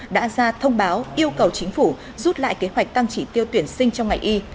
đã ra thông báo yêu cầu chính phủ rút lại kế hoạch tăng chỉ tiêu tuyển sinh trong ngày y